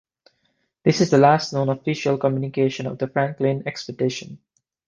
This is the last known official communication of the Franklin Expedition.